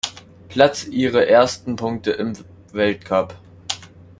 Platz ihre ersten Punkte im Weltcup.